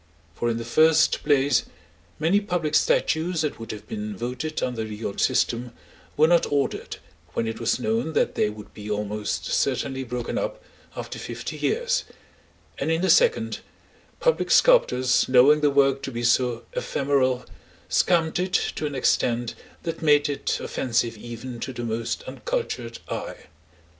For in the first place, many public statues that would have been voted under the old system, were not ordered, when it was known that they would be almost certainly broken up after fifty years, and in the second, public sculptors knowing their work to be so ephemeral, scamped it to an extent that made it offensive even to the most uncultured eye.